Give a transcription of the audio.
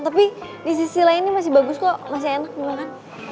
tapi di sisi lainnya masih bagus kok masih enak gue kan